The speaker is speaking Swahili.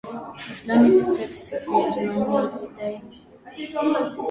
Islamic State siku ya Jumanne lilidai kuhusika na shambulizi lililoua takribani raia kumi na watano